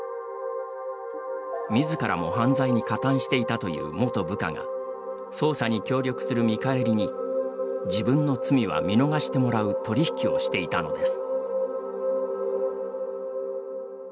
みずからも犯罪に加担していたという元部下が捜査に協力する見返りに自分の罪は見逃してもらう取り引きをしていたのです。